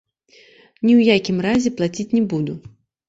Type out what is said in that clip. Ні ў якім разе плаціць не буду.